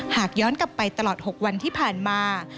หากย้อนกลับไปตลอด๖วันที่ผ่านมา